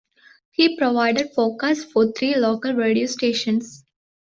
He provided forecasts for three local radio stations.